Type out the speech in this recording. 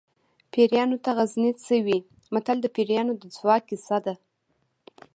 پیریانو ته غزني څه وي متل د پیریانو د ځواک کیسه ده